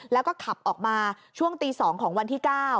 แล้วก็ขับออกมาช่วงตี๒ของวันที่๙